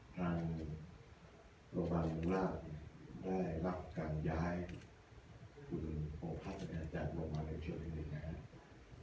ทางโรงพยาบาลมุมราษณ์ได้รับการย้ายคุณโพงพัทธ์จากโรงพยาบาลเล็กเชิงอีกหนึ่งนะครับ